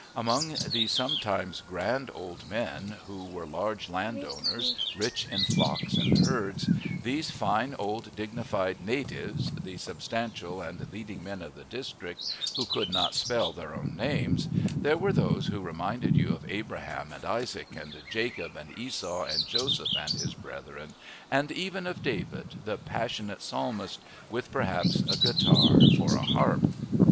Among these sometimes grand old men who were large landowners, rich in flocks and herds, these fine old, dignified "natives," the substantial and leading men of the district who could not spell their own names, there were those who reminded you of Abraham and Isaac and Jacob and Esau and Joseph and his brethren, and even of David the passionate psalmist, with perhaps a guitar for a harp.